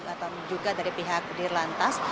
atau juga dari pihak dirlantas